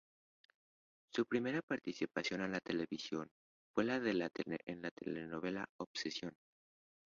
Su primera participación en la televisión fue en la telenovela "Obsesión".